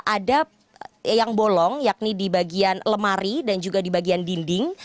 ada yang bolong yakni di bagian lemari dan juga di bagian dinding